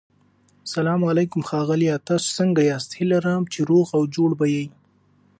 سلام علیکم ښاغلیه تاسو سنګه یاست هيله لرم چی روغ او جوړ به يي